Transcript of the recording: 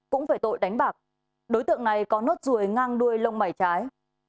cũng phải tội đánh bạc đối tượng này có nốt ruồi ngang đuôi lông mảy trái